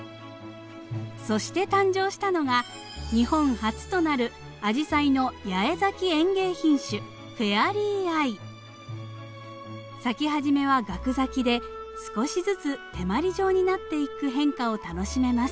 そして誕生したのが日本初となるアジサイの八重咲き園芸品種咲き始めはガク咲きで少しずつ手まり状になっていく変化を楽しめます。